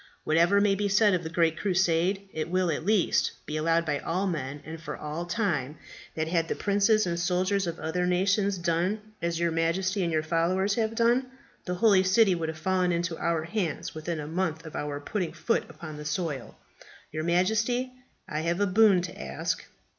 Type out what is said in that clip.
Whatever may be said of the Great Crusade, it will, at least, be allowed by all men, and for all time, that had the princes and soldiers of other nations done as your Majesty and your followers have done, the holy city would have fallen into our hands within a month of our putting foot upon the soil. Your Majesty, I have a boon to ask."